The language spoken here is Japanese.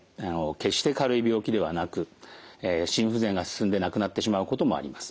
決して軽い病気ではなく心不全が進んで亡くなってしまうこともあります。